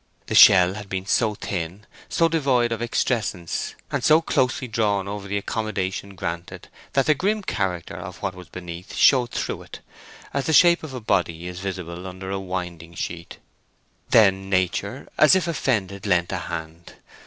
The shell had been so thin, so devoid of excrescence, and so closely drawn over the accommodation granted, that the grim character of what was beneath showed through it, as the shape of a body is visible under a winding sheet. Then Nature, as if offended, lent a hand.